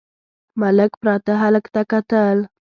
ملک پراته هلک ته کتل….